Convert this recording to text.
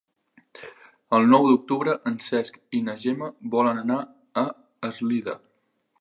El nou d'octubre en Cesc i na Gemma volen anar a Eslida.